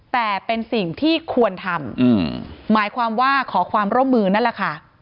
แต่เป็นสิ่งที่ควรทำหมายความว่าขอความร่วมมือนั่นแหละค่ะ